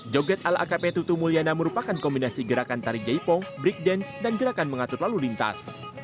joget al akp tutu mulyana merupakan kombinasi gerakan tarik jaipong breakdance dan gerakan mengatur lalu lintas